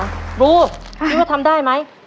ดูรู้ว่าทำได้มั้ย